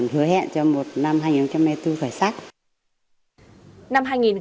hứa hẹn cho một năm hai nghìn hai mươi bốn khởi sắc